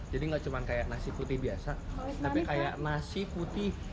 jadi nggak cuma kayak nasi putih biasa tapi kayak nasi putih